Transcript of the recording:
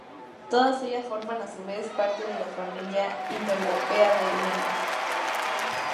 Todas ellas forman a su vez parte de la familia indoeuropea de lenguas.